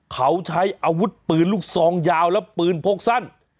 เขาใช้อาวุธปืนลูกซองยาวและปืนพกสั้น